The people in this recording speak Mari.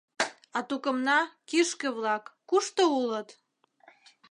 А тукымна, кишке-влак, кушто улыт?